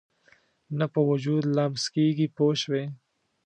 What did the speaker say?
نه په وجود لمس کېږي پوه شوې!.